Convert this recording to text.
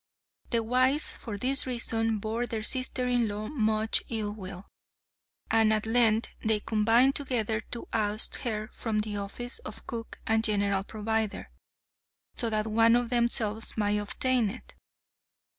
The wives for this reason bore their sister in law much ill will, and at length they combined together to oust her from the office of cook and general provider, so that one of themselves might obtain it.